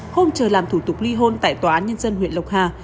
không chờ làm thủ tục ly hôn tại tòa án nhân dân huyện lộc hà